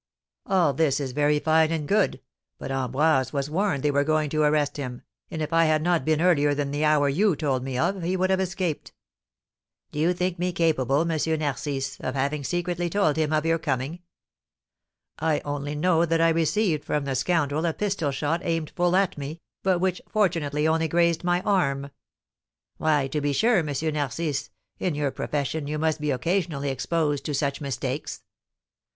"All this is very fine and good; but Ambroise was warned they were going to arrest him, and if I had not been earlier than the hour you told me of, he would have escaped." "Do you think me capable, M. Narcisse, of having secretly told him of your coming?" "I only know that I received from the scoundrel a pistol shot aimed full at me, but which, fortunately, only grazed my arm." "Why, to be sure, M. Narcisse, in your profession you must be occasionally exposed to such mistakes!"